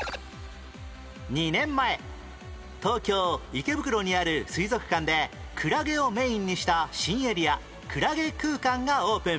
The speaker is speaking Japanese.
２年前東京池袋にある水族館でクラゲをメインにした新エリア海月空感がオープン